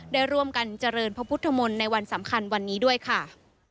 ได้ร่วมกันเจริญพระพุทธมนต์ในวันสำคัญวันนี้ด้วยค่ะ